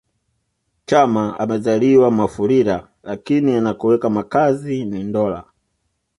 Chama amezaliwa Mufulira lakini anakoweka makazi ni Ndola